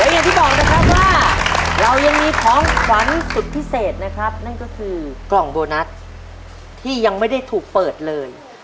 อย่างที่บอกนะครับว่าเรายังมีของขวัญสุดพิเศษนะครับนั่นก็คือกล่องโบนัสที่ยังไม่ได้ถูกเปิดเลย